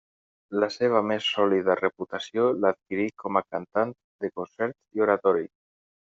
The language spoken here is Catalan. La seva més sòlida reputació l'adquirí com a cantant de concerts i oratoris.